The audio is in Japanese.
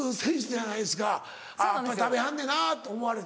やっぱり食べはんねんなと思われて。